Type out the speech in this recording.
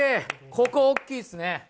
ここ大きいですね。